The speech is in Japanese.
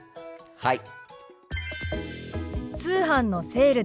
はい。